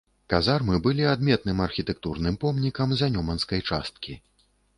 Казармы былі адметным архітэктурным помнікам занёманскай часткі.